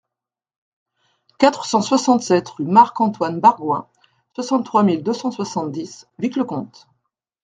quatre cent soixante-sept rue Marc-Antoine Bargoin, soixante-trois mille deux cent soixante-dix Vic-le-Comte